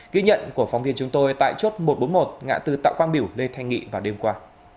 ghi nhận của phóng viên chúng tôi tại chốt một trăm bốn mươi một ngã tư tạo quang biểu lê thanh nghị vào đêm qua